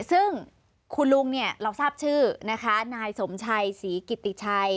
ซึ่งคุณลุงเราทราบชื่อนายสมชัยศรีกิติชัย